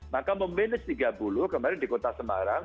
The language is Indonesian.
maka meminis tiga puluh kemarin di kota semarang